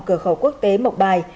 cửa khẩu quốc tế mộc bài